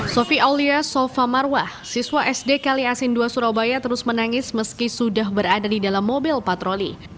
sofi aulia sofa marwah siswa sd kaliasin dua surabaya terus menangis meski sudah berada di dalam mobil patroli